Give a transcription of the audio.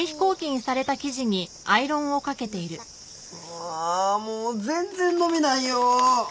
ああもう全然伸びないよ。